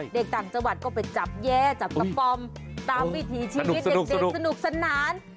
ต่างจังหวัดก็ไปจับแย่จับกระป๋อมตามวิถีชีวิตเด็กสนุกสนาน